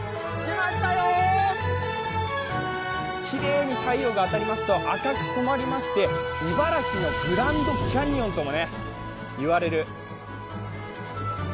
きれいに太陽が当たりますと、赤く染まりまして茨城のグランドキャニオンとも言われる。